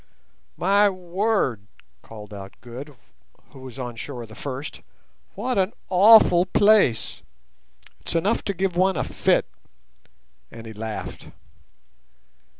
"My word," called out Good, who was on shore the first, "what an awful place! It's enough to give one a fit." And he laughed.